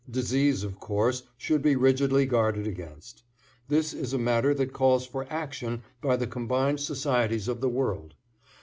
Disease, of course, should be rigidly guarded against. This is a matter that calls for action by the combined societies of the world.